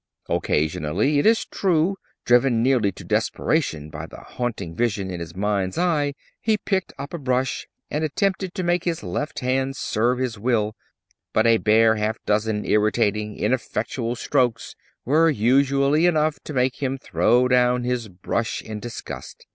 Occasionally, it is true, driven nearly to desperation by the haunting vision in his mind's eye, he picked up a brush and attempted to make his left hand serve his will; but a bare half dozen irritating, ineffectual strokes were usually enough to make him throw down his brush in disgust.